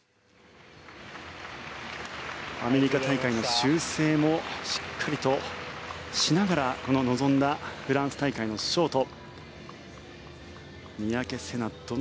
アメリカ大会の修正もしっかりとしながら臨んだフランス大会のショート。